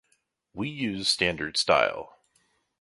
we use standard style